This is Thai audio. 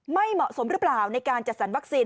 ไม่เหมาะสมหรือเปล่าในการจัดสรรวัคซีน